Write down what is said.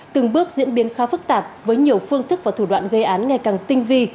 từng bước diễn biến khá phức tạp với nhiều phương thức và thủ đoạn gây án ngày càng tinh vi